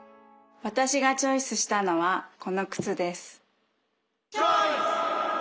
私がチョイスしたのはこの靴です。